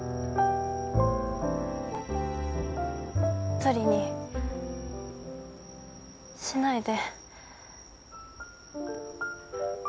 １人にしないで。